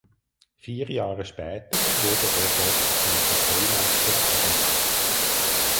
Vier Jahre später wurde er dort zum Kapellmeister ernannt.